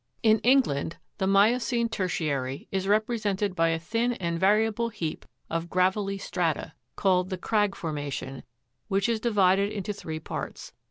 16. In England the miocene tertiary is represented by a thin and variable heap of gravelly strata, called the " crag formation," which is divided into three parts.